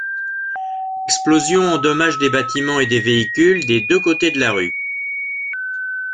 L'explosion endommage des bâtiments et des véhicules des deux côtés de la rue.